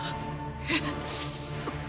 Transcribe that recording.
えっ！？